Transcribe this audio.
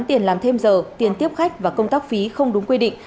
tiền làm thêm giờ tiền tiếp khách và công tác phí không đúng quy định